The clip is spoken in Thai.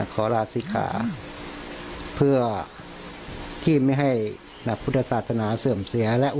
ขอลาศิกขาเพื่อที่ไม่ให้หลักพุทธศาสนาเสื่อมเสียแล้ว